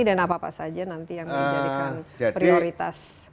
dan apa apa saja nanti yang dijadikan prioritas